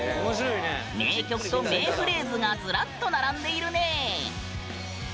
名曲と名フレーズがズラッと並んでいるね！